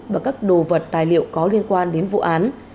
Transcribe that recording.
và các đồ vật tài liệu có liên quan đến vụ án